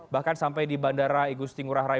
bahkan sampai di bandara igusti ngurah rai